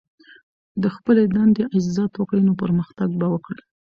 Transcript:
د خپلي دندې عزت وکړئ، نو پرمختګ به وکړئ!